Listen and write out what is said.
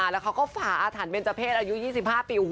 แล้วเขาก็ฝาอาถรรพนเจ้าเพศอายุ๒๕ปี